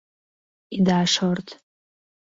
— Ида шорт.